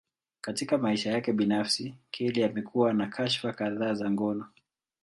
Katika maisha yake binafsi, Kelly amekuwa na kashfa kadhaa za ngono.